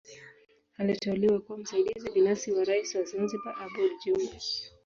Aliteuliwa kuwa msaidizi binafsi wa Rais wa Zanzibari Aboud Jumbe